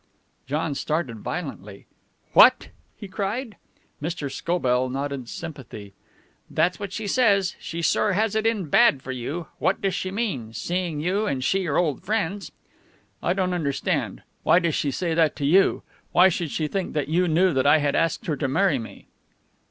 _" John started violently. "What!" he cried. Mr. Scobell nodded sympathy. "That's what she says. She sure has it in bad for you. What does she mean? Seeing you and she are old friends " "I don't understand. Why does she say that to you? Why should she think that you knew that I had asked her to marry me?"